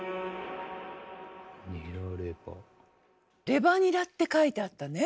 「レバニラ」って書いてあったね。